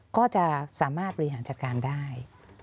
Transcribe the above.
ก็จะสามารถบริหารจัดการได้